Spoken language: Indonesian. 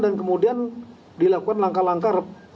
dan kemudian dilakukan langkah langkah